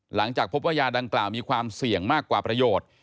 หลังจากพบว่ายาดังกล่าวมีความเสี่ยงมากกว่าประโยชน์